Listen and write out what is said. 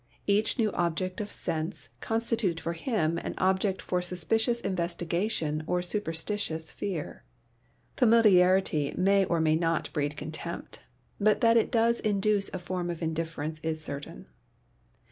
Each new object of sense constituted for him an object for suspicious investigation or superstitious fear. Familiarity may or may not breed contempt, but that it does induce a form of indifference is certain.